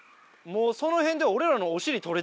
もうその辺で俺らの。